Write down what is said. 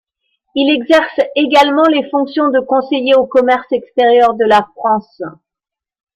Il exerce également les fonctions de Conseiller au Commerce Extérieur de la France.